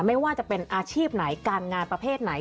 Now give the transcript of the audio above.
ไม่ว่าจะเป็นอาชีพไหนการงานประเภทไหน